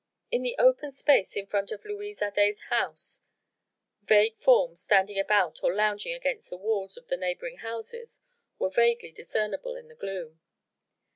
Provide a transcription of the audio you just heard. In the open space in front of Louise Adet's house vague forms standing about or lounging against the walls of the neighbouring houses were vaguely discernible in the gloom.